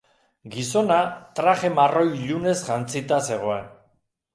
Gizona traje marroi ilunez jantzita zegoen.